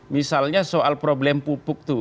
misalnya soal problem pupuk tuh